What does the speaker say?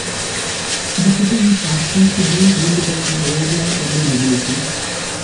The city is ostensibly ruled by an Overlord and a nobility.